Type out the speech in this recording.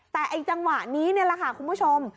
แต่จังหวะนี้นี่แหละคุณผู้ชม